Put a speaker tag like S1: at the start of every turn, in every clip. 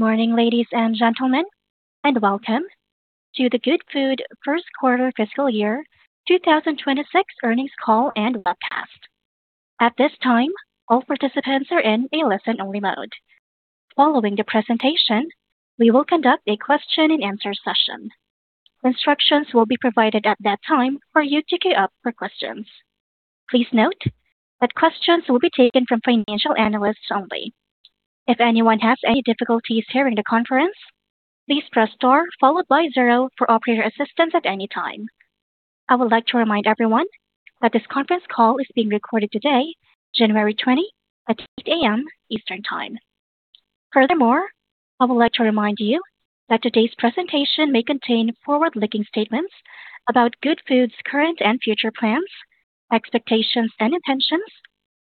S1: Good morning, ladies and gentlemen, and welcome to the Goodfood First Quarter Fiscal Year 2026 Earnings Call and Webcast. At this time, all participants are in a listen-only mode. Following the presentation, we will conduct a question-and-answer session. Instructions will be provided at that time for you to queue up for questions. Please note that questions will be taken from financial analysts only. If anyone has any difficulties hearing the conference, please press star followed by zero for operator assistance at any time. I would like to remind everyone that this conference call is being recorded today, January 20, at 8:00 A.M. ET. Furthermore, I would like to remind you that today's presentation may contain forward-looking statements about Goodfood's current and future plans, expectations and intentions,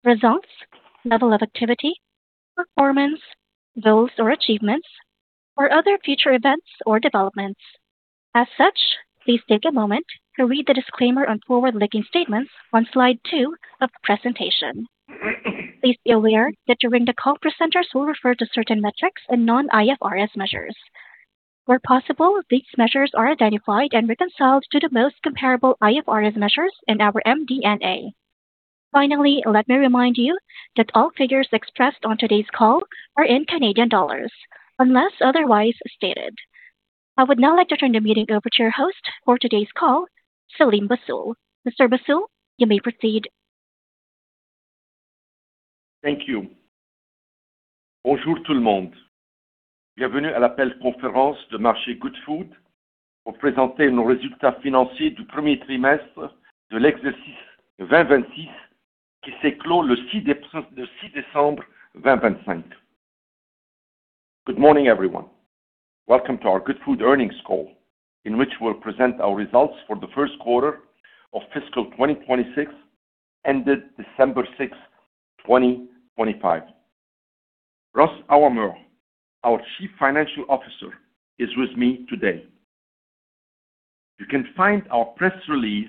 S1: results, level of activity, performance, goals or achievements, or other future events or developments. As such, please take a moment to read the disclaimer on forward-looking statements on slide 2 of the presentation. Please be aware that during the call, presenters will refer to certain metrics and non-IFRS measures. Where possible, these measures are identified and reconciled to the most comparable IFRS measures in our MD&A. Finally, let me remind you that all figures expressed on today's call are in Canadian dollars, unless otherwise stated. I would now like to turn the meeting over to your host for today's call, Selim Bassoul. Mr. Bassoul, you may proceed.
S2: Thank you. [Foreign languade]. Good morning, everyone. Welcome to our Goodfood earnings call, in which we'll present our results for the first quarter of fiscal 2026 ended December 6, 2025. Ross Aouameur, our Chief Financial Officer, is with me today. You can find our press release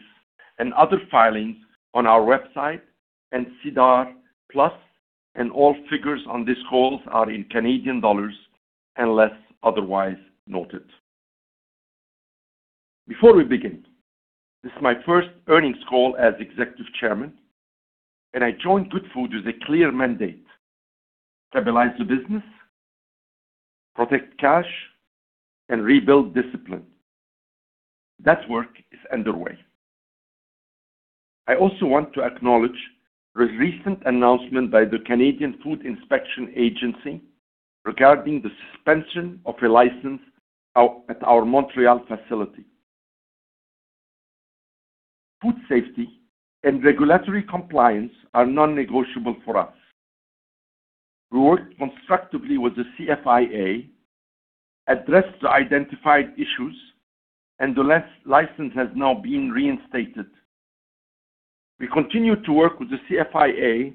S2: and other filings on our website and SEDAR, plus all figures on these calls are in Canadian dollars unless otherwise noted. Before we begin, this is my first earnings call as Executive Chairman, and I joined Goodfood with a clear mandate: stabilize the business, protect cash, and rebuild discipline. That work is underway. I also want to acknowledge the recent announcement by the Canadian Food Inspection Agency regarding the suspension of a license at our Montreal facility. Food safety and regulatory compliance are non-negotiable for us. We worked constructively with the CFIA, addressed the identified issues, and the license has now been reinstated. We continue to work with the CFIA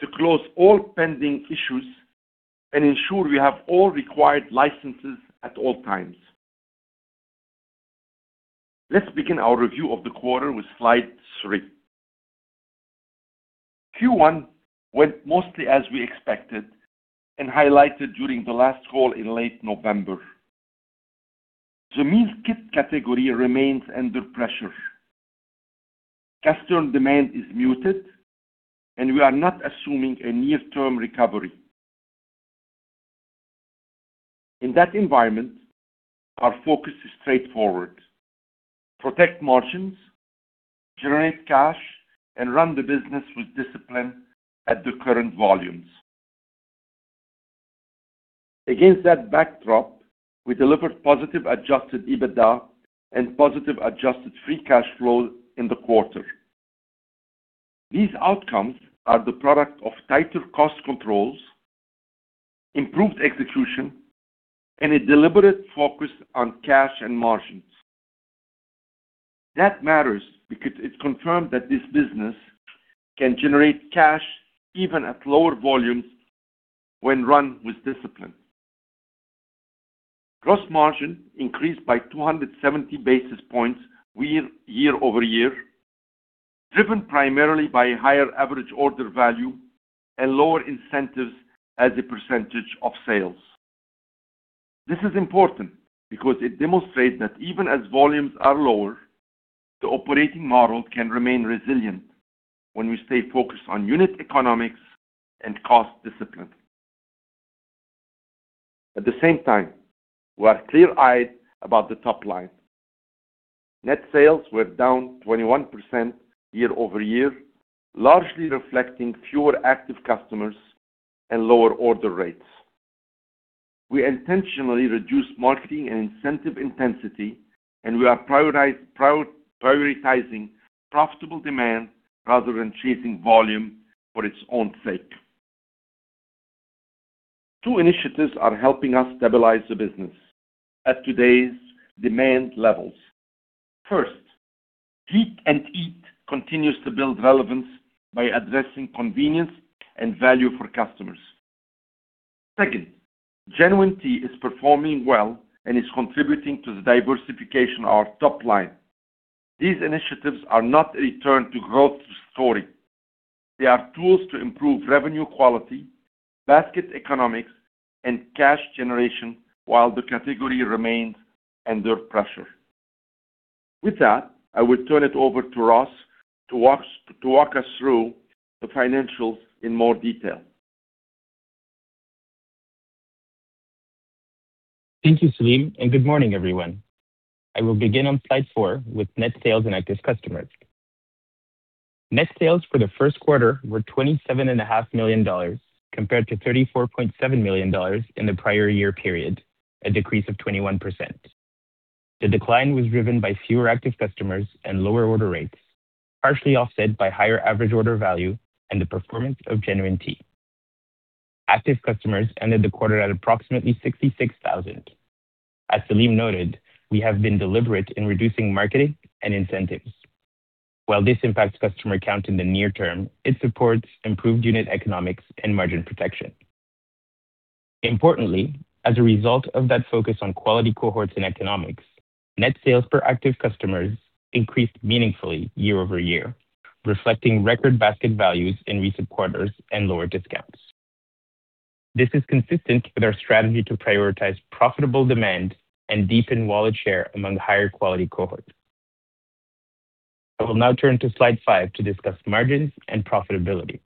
S2: to close all pending issues and ensure we have all required licenses at all times. Let's begin our review of the quarter with slide 3. Q1 went mostly as we expected and highlighted during the last call in late November. The meal kit category remains under pressure. Customer demand is muted, and we are not assuming a near-term recovery. In that environment, our focus is straightforward: protect margins, generate cash, and run the business with discipline at the current volumes. Against that backdrop, we delivered positive Adjusted EBITDA and positive Adjusted free cash flow in the quarter. These outcomes are the product of tighter cost controls, improved execution, and a deliberate focus on cash and margins. That matters because it confirmed that this business can generate cash even at lower volumes when run with discipline. Gross margin increased by 270 basis points year over year, driven primarily by higher average order value and lower incentives as a percentage of sales. This is important because it demonstrates that even as volumes are lower, the operating model can remain resilient when we stay focused on unit economics and cost discipline. At the same time, we are clear-eyed about the top line. Net sales were down 21% year over year, largely reflecting fewer active customers and lower order rates. We intentionally reduced marketing and incentive intensity, and we are prioritizing profitable demand rather than chasing volume for its own sake. Two initiatives are helping us stabilize the business at today's demand levels. First, Heat & Eat continues to build relevance by addressing convenience and value for customers. Second, Genuity is performing well and is contributing to the diversification of our top line. These initiatives are not a return to growth story. They are tools to improve revenue quality, basket economics, and cash generation while the category remains under pressure. With that, I will turn it over to Ross to walk us through the financials in more detail.
S3: Thank you, Selim, and good morning, everyone. I will begin on slide 4 with net sales and active customers. Net sales for the first quarter were 27.5 million dollars compared to 34.7 million dollars in the prior year period, a decrease of 21%. The decline was driven by fewer active customers and lower order rates, partially offset by higher average order value and the performance of Genuity. Active customers ended the quarter at approximately 66,000. As Selim noted, we have been deliberate in reducing marketing and incentives. While this impacts customer count in the near term, it supports improved unit economics and margin protection. Importantly, as a result of that focus on quality cohorts and economics, net sales per active customers increased meaningfully year over year, reflecting record basket values in recent quarters and lower discounts. This is consistent with our strategy to prioritize profitable demand and deepen wallet share among higher quality cohorts. I will now turn to slide 5 to discuss margins and profitability.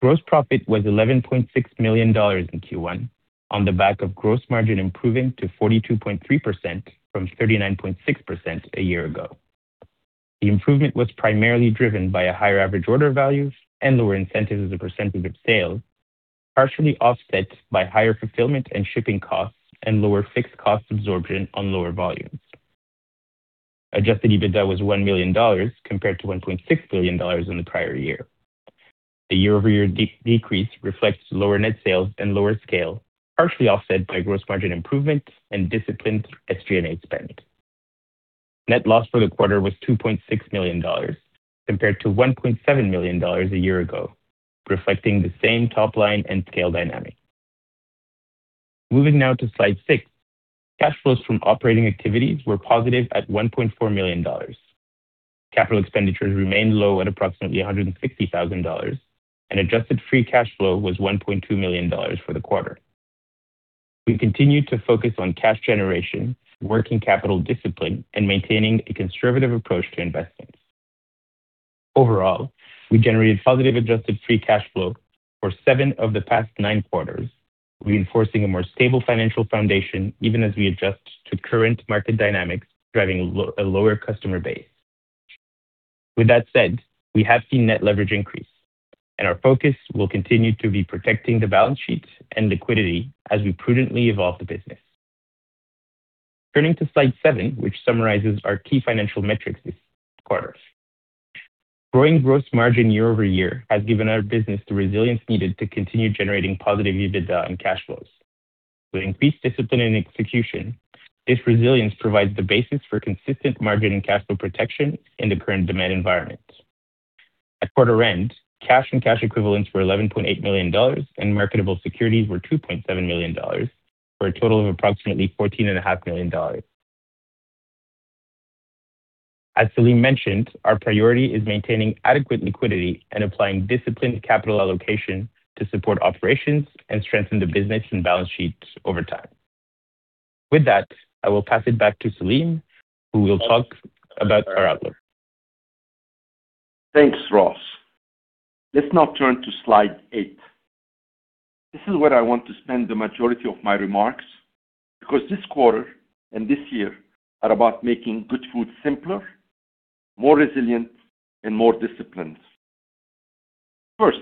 S3: Gross profit was 11.6 million dollars in Q1, on the back of gross margin improving to 42.3% from 39.6% a year ago. The improvement was primarily driven by a higher average order value and lower incentives as a percentage of sales, partially offset by higher fulfillment and shipping costs and lower fixed cost absorption on lower volumes. Adjusted EBITDA was 1 million dollars compared to 1.6 billion dollars in the prior year. The year-over-year decrease reflects lower net sales and lower scale, partially offset by gross margin improvement and disciplined SG&A spend. Net loss for the quarter was 2.6 million dollars compared to 1.7 million dollars a year ago, reflecting the same top line and scale dynamic. Moving now to slide 6, cash flows from operating activities were positive at 1.4 million dollars. Capital expenditures remained low at approximately 160,000 dollars, and adjusted free cash flow was 1.2 million dollars for the quarter. We continued to focus on cash generation, working capital discipline, and maintaining a conservative approach to investments. Overall, we generated positive adjusted free cash flow for seven of the past nine quarters, reinforcing a more stable financial foundation even as we adjust to current market dynamics driving a lower customer base. With that said, we have seen net leverage increase, and our focus will continue to be protecting the balance sheet and liquidity as we prudently evolve the business. Turning to slide 7, which summarizes our key financial metrics this quarter. Growing gross margin year over year has given our business the resilience needed to continue generating positive EBITDA and cash flows. With increased discipline and execution, this resilience provides the basis for consistent margin and cash flow protection in the current demand environment. At quarter end, cash and cash equivalents were 11.8 million dollars, and marketable securities were 2.7 million dollars, for a total of approximately 14.5 million dollars. As Selim mentioned, our priority is maintaining adequate liquidity and applying disciplined capital allocation to support operations and strengthen the business and balance sheet over time. With that, I will pass it back to Selim, who will talk about our outlook.
S2: Thanks, Ross. Let's now turn to slide 8. This is where I want to spend the majority of my remarks because this quarter and this year are about making Goodfood simpler, more resilient, and more disciplined. First,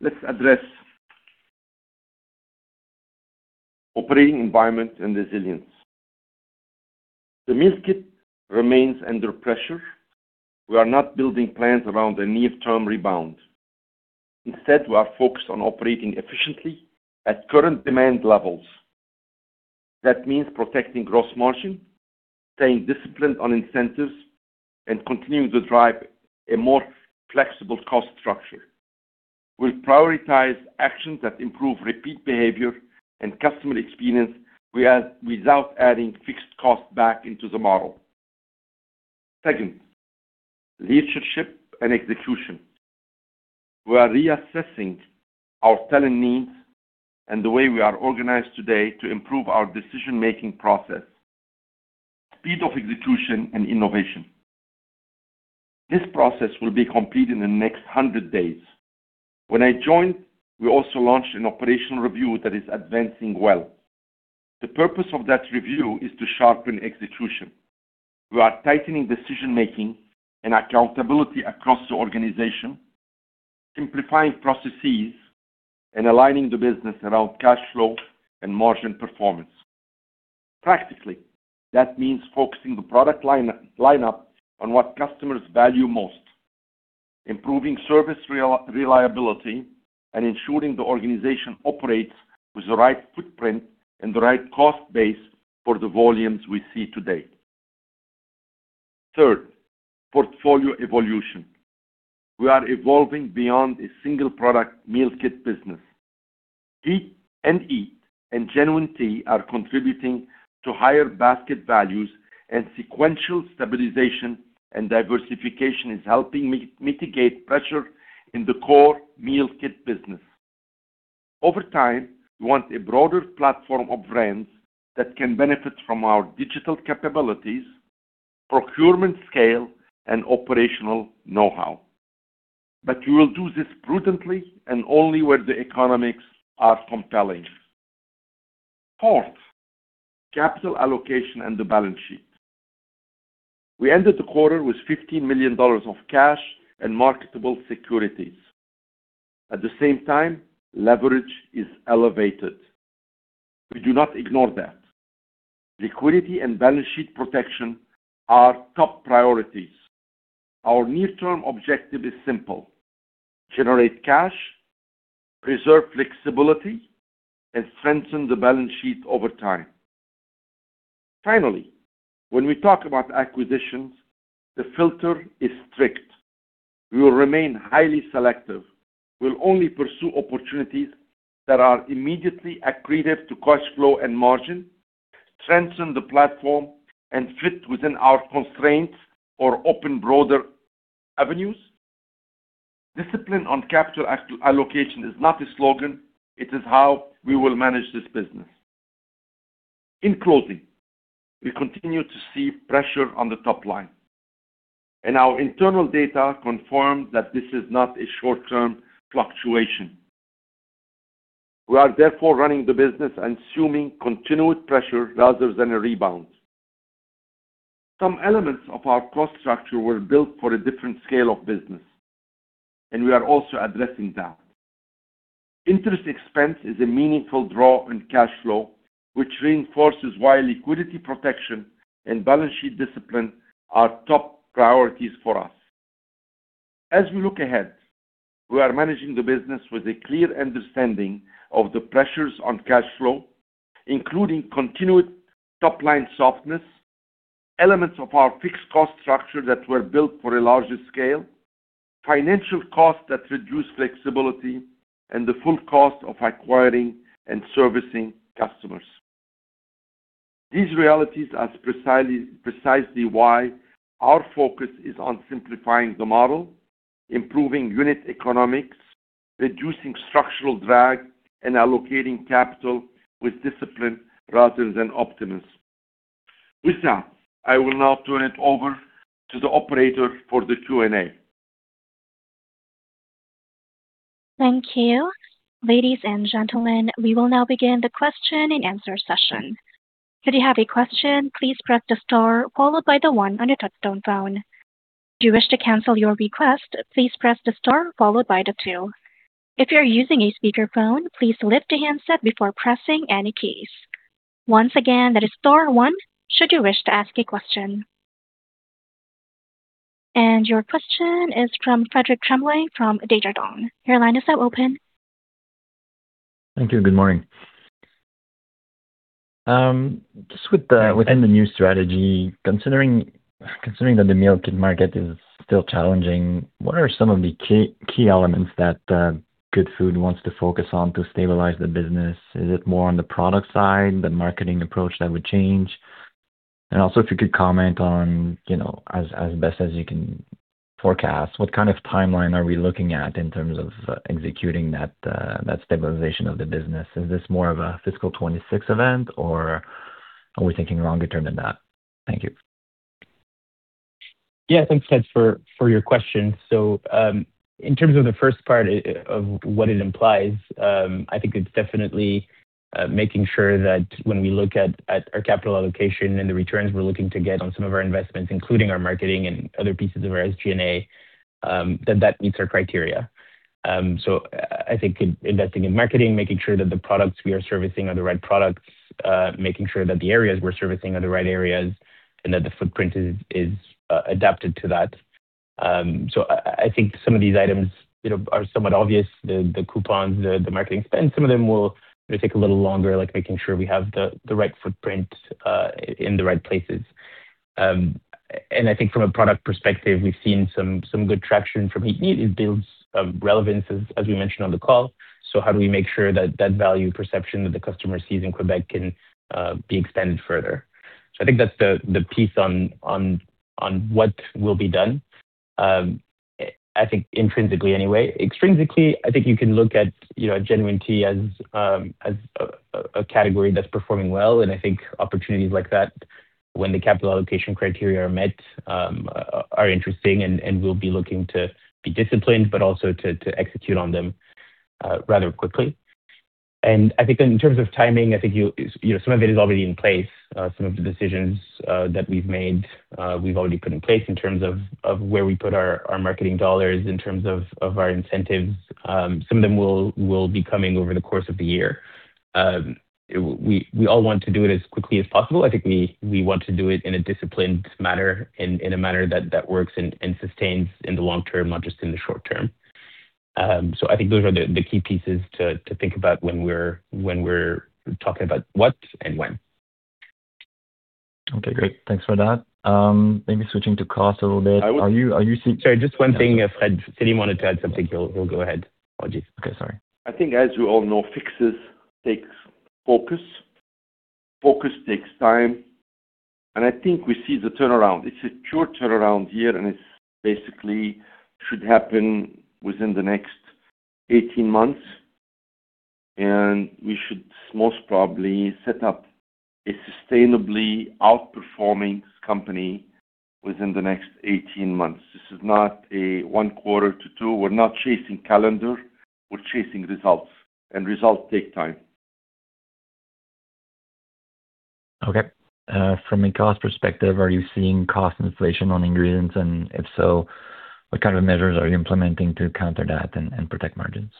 S2: let's address operating environment and resilience. The meal kit remains under pressure. We are not building plans around a near-term rebound. Instead, we are focused on operating efficiently at current demand levels. That means protecting gross margin, staying disciplined on incentives, and continuing to drive a more flexible cost structure. We'll prioritize actions that improve repeat behavior and customer experience without adding fixed cost back into the model. Second, leadership and execution. We are reassessing our talent needs and the way we are organized today to improve our decision-making process. Speed of execution and innovation. This process will be complete in the next 100 days. When I joined, we also launched an operational review that is advancing well. The purpose of that review is to sharpen execution. We are tightening decision-making and accountability across the organization, simplifying processes, and aligning the business around cash flow and margin performance. Practically, that means focusing the product lineup on what customers value most, improving service reliability, and ensuring the organization operates with the right footprint and the right cost base for the volumes we see today. Third, portfolio evolution. We are evolving beyond a single product meal kit business. Heat & Eat and Genuity are contributing to higher basket values, and sequential stabilization and diversification is helping mitigate pressure in the core meal kit business. Over time, we want a broader platform of brands that can benefit from our digital capabilities, procurement scale, and operational know-how. But we will do this prudently and only where the economics are compelling. Fourth, capital allocation and the balance sheet. We ended the quarter with 15 million dollars of cash and marketable securities. At the same time, leverage is elevated. We do not ignore that. Liquidity and balance sheet protection are top priorities. Our near-term objective is simple: generate cash, preserve flexibility, and strengthen the balance sheet over time. Finally, when we talk about acquisitions, the filter is strict. We will remain highly selective. We'll only pursue opportunities that are immediately accretive to cash flow and margin, strengthen the platform, and fit within our constraints or open broader avenues. Discipline on capital allocation is not a slogan. It is how we will manage this business. In closing, we continue to see pressure on the top line, and our internal data confirm that this is not a short-term fluctuation. We are therefore running the business assuming continued pressure rather than a rebound. Some elements of our cost structure were built for a different scale of business, and we are also addressing that. Interest expense is a meaningful draw in cash flow, which reinforces why liquidity protection and balance sheet discipline are top priorities for us. As we look ahead, we are managing the business with a clear understanding of the pressures on cash flow, including continued top line softness, elements of our fixed cost structure that were built for a larger scale, financial costs that reduce flexibility, and the full cost of acquiring and servicing customers. These realities are precisely why our focus is on simplifying the model, improving unit economics, reducing structural drag, and allocating capital with discipline rather than optimism. With that, I will now turn it over to the operator for the Q&A.
S1: Thank you. Ladies and gentlemen, we will now begin the question and answer session. If you have a question, please press the star followed by the one on your touch-tone phone. If you wish to cancel your request, please press the star followed by the two. If you're using a speakerphone, please lift the handset before pressing any keys. Once again, that is star one should you wish to ask a question. Your question is from Frederic Tremblay from Desjardins. Your line is now open.
S4: Thank you. Good morning. Just within the new strategy, considering that the meal kit market is still challenging, what are some of the key elements that Goodfood wants to focus on to stabilize the business? Is it more on the product side, the marketing approach that would change? And also, if you could comment on, as best as you can forecast, what kind of timeline are we looking at in terms of executing that stabilization of the business? Is this more of a fiscal 2026 event, or are we thinking longer term than that? Thank you.
S3: Yeah, thanks, Fred, for your question. So in terms of the first part of what it implies, I think it's definitely making sure that when we look at our capital allocation and the returns we're looking to get on some of our investments, including our marketing and other pieces of our SG&A, that that meets our criteria. So I think investing in marketing, making sure that the products we are servicing are the right products, making sure that the areas we're servicing are the right areas, and that the footprint is adapted to that. So I think some of these items are somewhat obvious: the coupons, the marketing spend. Some of them will take a little longer, like making sure we have the right footprint in the right places. And I think from a product perspective, we've seen some good traction from Heat & Eat. It builds relevance, as we mentioned on the call. So how do we make sure that that value perception that the customer sees in Quebec can be expanded further? So I think that's the piece on what will be done, I think intrinsically anyway. Extrinsically, I think you can look at Genuity as a category that's performing well. And I think opportunities like that, when the capital allocation criteria are met, are interesting, and we'll be looking to be disciplined, but also to execute on them rather quickly. And I think in terms of timing, I think some of it is already in place. Some of the decisions that we've made, we've already put in place in terms of where we put our marketing dollars, in terms of our incentives. Some of them will be coming over the course of the year. We all want to do it as quickly as possible. I think we want to do it in a disciplined manner, in a manner that works and sustains in the long term, not just in the short term. So I think those are the key pieces to think about when we're talking about what and when.
S4: Okay, great. Thanks for that. Maybe switching to cost a little bit. Are you seeing?
S3: Sorry, just one thing, Fred. Selim wanted to add something. He'll go ahead. Apologies. Okay, sorry.
S2: I think, as you all know, fixes take focus. Focus takes time. And I think we see the turnaround. It's a pure turnaround here, and it basically should happen within the next 18 months. And we should most probably set up a sustainably outperforming company within the next 18 months. This is not a one quarter to two. We're not chasing calendar. We're chasing results, and results take time.
S4: Okay. From a cost perspective, are you seeing cost inflation on ingredients? And if so, what kind of measures are you implementing to counter that and protect margins?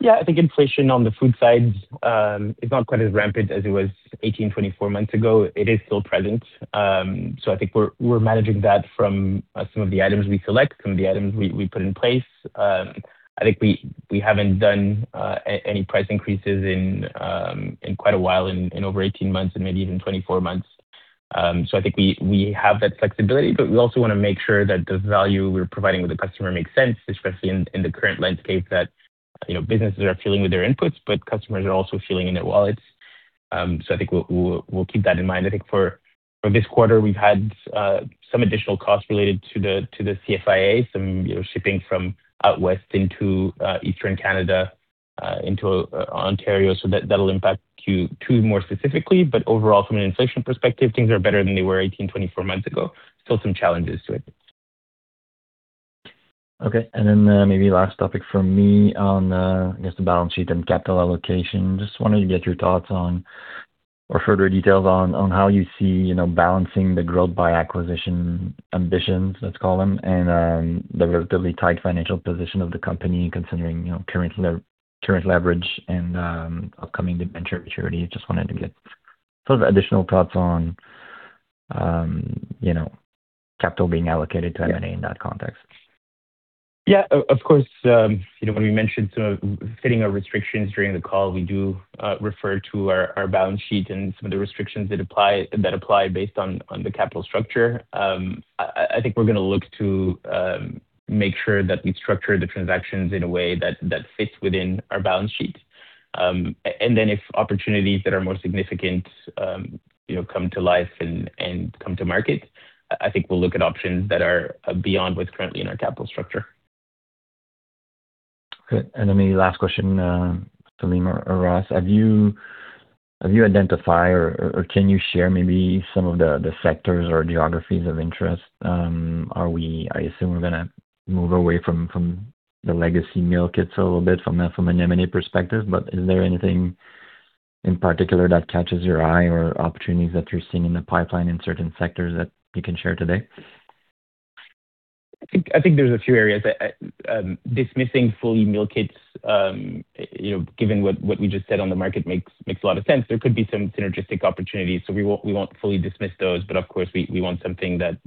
S3: Yeah, I think inflation on the food side is not quite as rampant as it was 18, 24 months ago. It is still present. So I think we're managing that from some of the items we select, some of the items we put in place. I think we haven't done any price increases in quite a while in over 18 months and maybe even 24 months. So I think we have that flexibility, but we also want to make sure that the value we're providing with the customer makes sense, especially in the current landscape that businesses are feeling with their inputs, but customers are also feeling in their wallets. So I think we'll keep that in mind. I think for this quarter, we've had some additional costs related to the CFIA, some shipping from out west into eastern Canada, into Ontario. So that'll impact Q2 more specifically. But overall, from an inflation perspective, things are better than they were 18, 24 months ago. Still some challenges to it.
S4: Okay. And then maybe last topic for me on, I guess, the balance sheet and capital allocation. Just wanted to get your thoughts on, or further details on, how you see balancing the growth by acquisition ambitions, let's call them, and the relatively tight financial position of the company, considering current leverage and upcoming venture maturity. Just wanted to get some additional thoughts on capital being allocated to M&A in that context.
S3: Yeah, of course. When we mentioned setting our restrictions during the call, we do refer to our balance sheet and some of the restrictions that apply based on the capital structure. I think we're going to look to make sure that we structure the transactions in a way that fits within our balance sheet, and then if opportunities that are more significant come to life and come to market, I think we'll look at options that are beyond what's currently in our capital structure.
S4: Okay, and then maybe last question, Selim or Ross. Have you identified or can you share maybe some of the sectors or geographies of interest? I assume we're going to move away from the legacy meal kits a little bit from an M&A perspective, but is there anything in particular that catches your eye or opportunities that you're seeing in the pipeline in certain sectors that you can share today?
S3: I think there's a few areas. Dismissing fully meal kits, given what we just said on the market, makes a lot of sense. There could be some synergistic opportunities, so we won't fully dismiss those, but of course, we want something that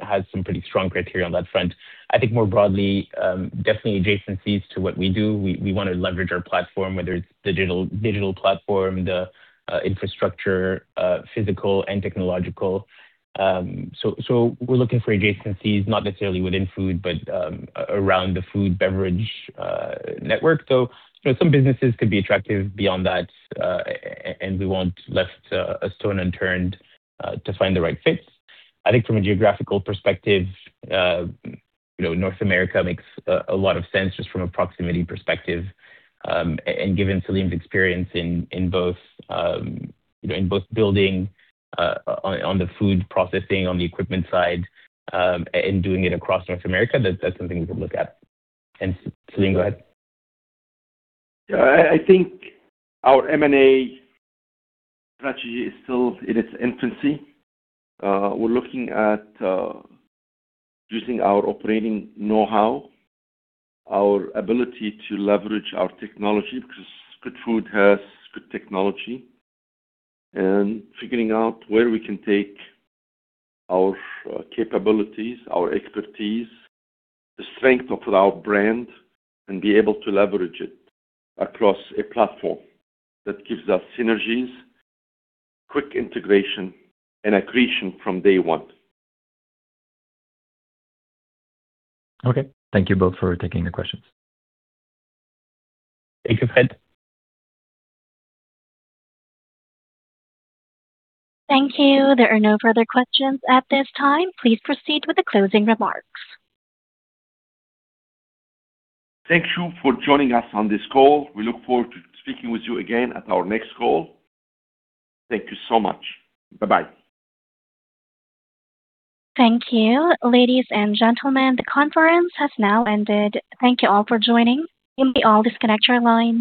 S3: has some pretty strong criteria on that front. I think more broadly, definitely adjacencies to what we do. We want to leverage our platform, whether it's the digital platform, the infrastructure, physical, and technological. So we're looking for adjacencies, not necessarily within food, but around the food and beverage network. So some businesses could be attractive beyond that, and we won't leave a stone unturned to find the right fit. I think from a geographical perspective, North America makes a lot of sense just from a proximity perspective. And given Selim's experience in both building on the food processing, on the equipment side, and doing it across North America, that's something we can look at. And Selim, go ahead.
S2: Yeah, I think our M&A strategy is still in its infancy. We're looking at using our operating know-how, our ability to leverage our technology because Goodfood has good technology, and figuring out where we can take our capabilities, our expertise, the strength of our brand, and be able to leverage it across a platform that gives us synergies, quick integration, and accretion from day one.
S4: Okay. Thank you both for taking the questions.
S3: Thank you, Fred.
S1: Thank you. There are no further questions at this time. Please proceed with the closing remarks.
S2: Thank you for joining us on this call. We look forward to speaking with you again at our next call. Thank you so much. Bye-bye.
S1: Thank you. Ladies and gentlemen, the conference has now ended. Thank you all for joining. You may all disconnect your lines.